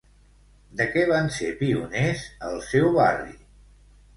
De què van ser pioners al seu barri?